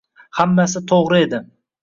Hammasi to‘g‘ri edi.